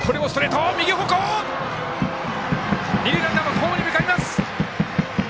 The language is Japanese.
二塁ランナーホームへ向かいます。